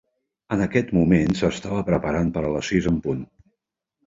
En aquest moment s'estava preparant per a les sis en punt.